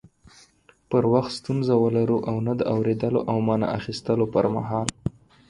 پر وخت ستونزه ولرو او نه د اوريدلو او معنی اخستلو پر مهال